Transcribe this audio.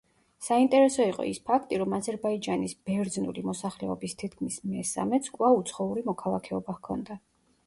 საინტერესო იყო ის ფაქტი, რომ აზერბაიჯანის ბერძნული მოსახლეობის თითქმის მესამედს კვლავ უცხოური მოქალაქეობა ჰქონდა.